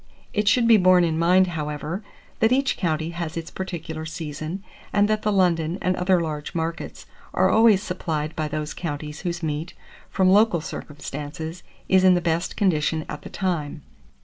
It should be borne in mind, however, that each county has its particular season, and that the London and other large markets are always supplied by those counties whose meat, from local circumstances, is in the best condition at the time.